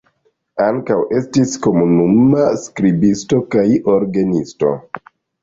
Ankaŭ estis komunuma skribisto kaj orgenisto.